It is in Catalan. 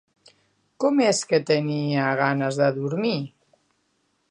Com és que tenia ganes de dormir?